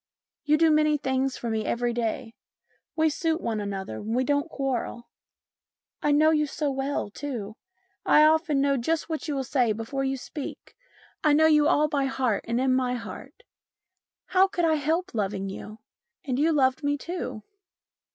You do many things for me every day. We suit one another, and we don't quarrel. And I know you so well, too I often know just what you will MINIATURES 223 say before you speak. I know you all by heart and in my heart. How could I help loving you ? And you loved me too."